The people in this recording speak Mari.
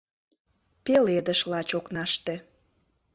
Пеледыш лач окнаште